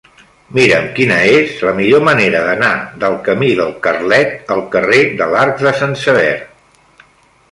Mira'm quina és la millor manera d'anar del camí del Carlet al carrer de l'Arc de Sant Sever.